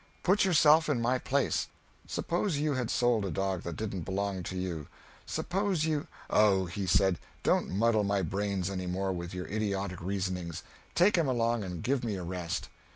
Put yourself in my place. Suppose you had sold a dog that didn't belong to you; suppose you " "Oh," he said, "don't muddle my brains any more with your idiotic reasonings! Take him along, and give me a rest."